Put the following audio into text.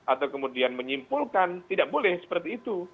atau kemudian menyimpulkan tidak boleh seperti itu